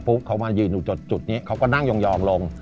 เขามายืนอยู่จุดนี้เขาก็นั่งยองลง